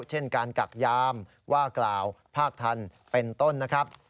เช่นการกักยามว่ากล่าวภาคทันเป็นต้นนะครับ